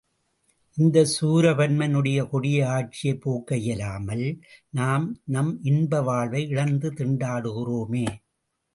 இந்தச் சூரபன்மனுடைய கொடிய ஆட்சியைப் போக்க இயலாமல், நாம் நம் இன்ப வாழ்வை இழந்து திண்டாடுகிறோமே!